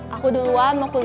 aku duluan mau kuliah